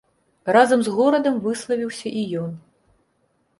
Разам з горадам выславіўся і ён.